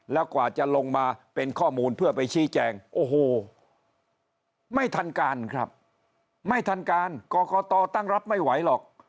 แล้วกว่าจะลงมาเป็นข้อมูลเพื่อไปชี้แจงโอ้โหไม่ทันการครับไม่ทันการกรกตตั้งรับไม่ไหวหรอก